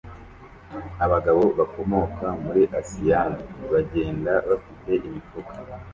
Abagabo bakomoka muri asiyani bagenda bafite imifuka